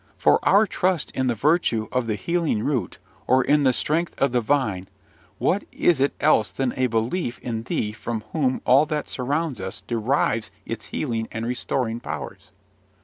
For our trust in the virtue of the healing root, or in the strength of the vine, what is it else than a belief in thee from whom all that surrounds us derives its healing and restoring powers?